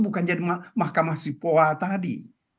bukan jadi mahkamah sipol tadi